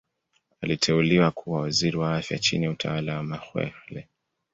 Aliteuliwa kuwa Waziri wa Afya chini ya utawala wa Mokhehle.